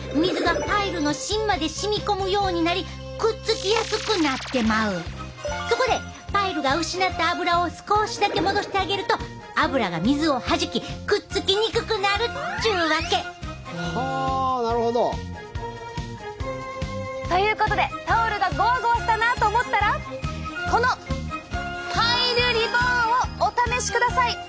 せやからもともとところがするとそこでパイルが失ったアブラを少しだけ戻してあげるとアブラが水をはじきくっつきにくくなるっちゅうわけ。はあなるほど！ということでタオルがゴワゴワしたなと思ったらこのパイルリボーンをお試しください。